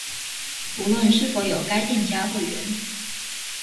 無論是否有該店家會員